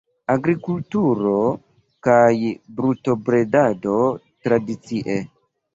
Agrikulturo kaj brutobredado tradicie.